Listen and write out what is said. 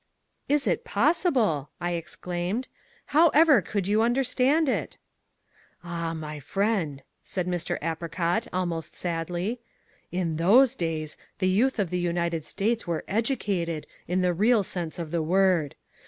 "Is it possible!" I exclaimed, "how ever could you understand it?" "Ah! my friend," said Mr. Apricot, almost sadly, "in THOSE days the youth of the United States were EDUCATED in the real sense of the word.